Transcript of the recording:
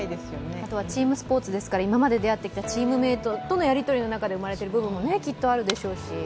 あとはチームスポーツですから今まで出会ってきたチームメイトの中で生まれてる部分もきっとあるでしょうし。